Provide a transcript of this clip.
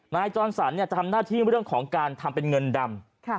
นายจรสันจะทำหน้าที่เรื่องของการทำเป็นเงินดำ